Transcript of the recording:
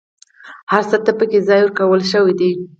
هر څه ته پکې ځای ورکول شوی دی.